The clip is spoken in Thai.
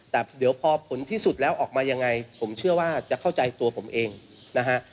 แต่เดี๋ยวพอผลที่สุดแล้วออกมายังไงผมเชื่อว่าจะเข้าใจตัวผมเองนะฮะ